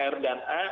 r dan a